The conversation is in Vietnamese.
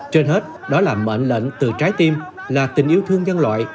trên hết đó là mệnh lệnh từ trái tim là tình yêu thương nhân loại